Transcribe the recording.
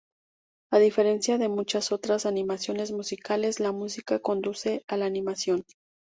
A diferencia de muchas otras animaciones musicales, la música conduce a la animación.